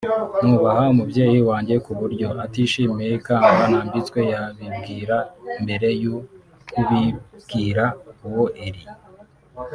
nubaha umubyeyi wanjye kuburyo atishimiye ikamba nambitswe yabimbwira mbere yo kubibwira uwo Eliel